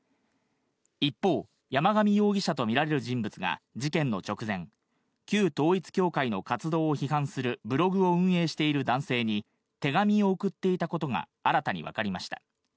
一方、山上容疑者とみられる人物が事件の直前、旧統一教会の活動を批判するブログを運営している男性に手紙を送っていたことが新たに分かりました。